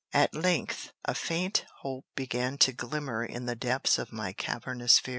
At length a faint hope began to glimmer in the depths of my cavernous fear.